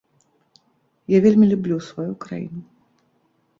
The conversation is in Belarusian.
Я вельмі люблю сваю краіну.